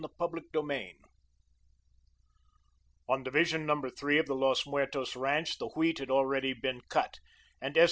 CHAPTER IX On Division Number Three of the Los Muertos ranch the wheat had already been cut, and S.